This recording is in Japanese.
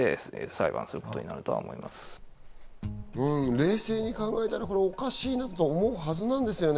冷静に考えたらおかしいなと思うはずなんですよね。